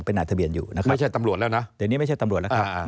เป็นนายทะเบียนอยู่นะครับไม่ใช่ตำรวจแล้วนะ